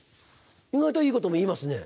意外といいことも言いますね。